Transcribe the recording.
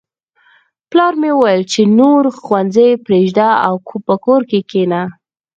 پلار مې وویل چې نور ښوونځی پریږده او په کور کښېنه